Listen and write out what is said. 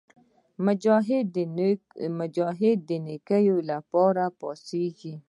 مجاهد د نیکۍ لپاره راپاڅېږي.